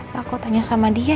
pak kok tanya sama dia ya